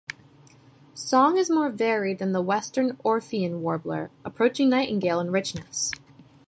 Song is more varied than the western Orphean warbler, approaching Nightingale in richness.